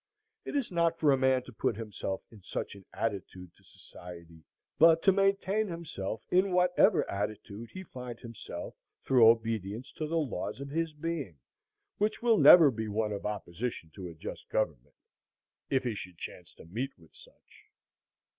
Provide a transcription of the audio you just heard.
It is not for a man to put himself in such an attitude to society, but to maintain himself in whatever attitude he find himself through obedience to the laws of his being, which will never be one of opposition to a just government, if he should chance to meet with such.